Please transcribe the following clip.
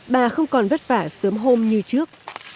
bà không còn vất vả sớm hôm như trước